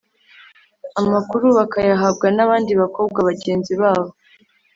amakuru bakayahabwa n’abandi bakobwa bagenzi babo,